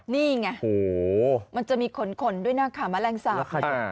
นี่ไงมันจะมีขนด้วยหน้าขาแมลงสาป